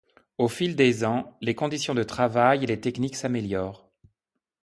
Au fil des ans, les conditions de travail et les techniques s’améliorent.